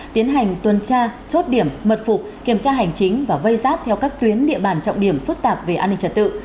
tiến hành tuần tra chốt điểm mật phục kiểm tra hành chính và vây giáp theo các tuyến địa bàn trọng điểm phức tạp về an ninh trật tự